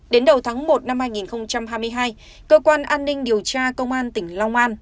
đến đầu tháng một năm hai nghìn hai mươi hai cơ quan an ninh điều tra công an tỉnh long an